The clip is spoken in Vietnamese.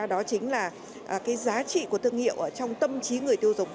đó chính là cái giá trị của thương hiệu trong tâm trí người tiêu dùng